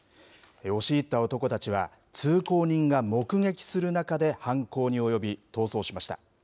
押し入った男たちは、通行人が目撃する中で犯行に及び、逃走しました。